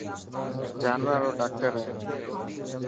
جانوران رو ڊاڪٽر هي.